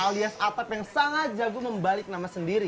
alias atap yang sangat jago membalik nama sendiri